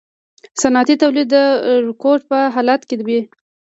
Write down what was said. صنعتي تولید د رکود په حالت کې وي